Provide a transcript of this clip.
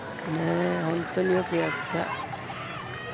本当によくやった。